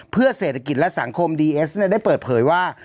เพื่อเศรษฐกิจและสังคมดีเอสได้เปิดเผยว่า